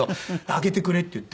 「上げてくれ」って言って。